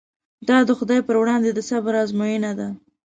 دا د خدای پر وړاندې د صبر ازموینه ده.